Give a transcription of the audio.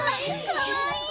かわいい！